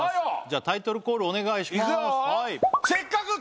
じゃあタイトルコールお願いしますいくよ